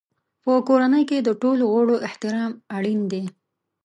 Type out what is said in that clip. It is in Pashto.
په کورنۍ کې د ټولو غړو احترام اړین دی.